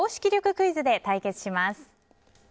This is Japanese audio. クイズで対決します。